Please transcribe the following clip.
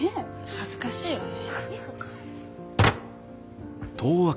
恥ずかしいよねえ。